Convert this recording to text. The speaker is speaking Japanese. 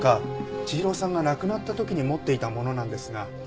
千尋さんが亡くなった時に持っていたものなんですが。